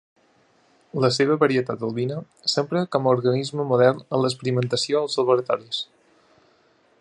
La seva varietat albina s'empra com a organisme model en l'experimentació als laboratoris.